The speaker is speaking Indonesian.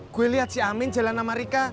gue liat si amin jalan amerika